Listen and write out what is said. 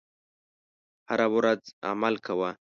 هره ورځ عمل کوه .